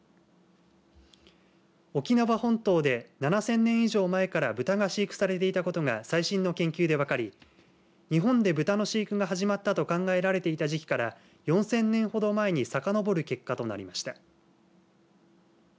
沖縄本島で７０００年以上前からブタが飼育されていたことが最新の研究で分かり日本でブタの飼育が始まったと考えられていた時期から４０００年ほど前にさかのぼる結果となりました。